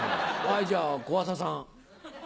はいじゃあ小朝さん。